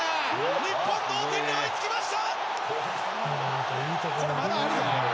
日本、同点に追いつきました！